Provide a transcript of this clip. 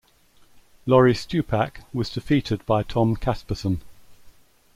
Laurie Stupak was defeated by Tom Casperson.